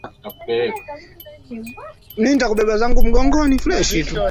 ya redio france international